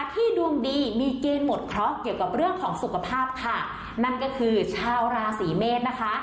ดวงดีมีเกณฑ์หมดเคราะห์เกี่ยวกับเรื่องของสุขภาพค่ะนั่นก็คือชาวราศีเมษนะคะ